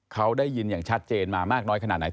เขาได้ยินอย่างชัดเจนมามากน้อยขนาดไหน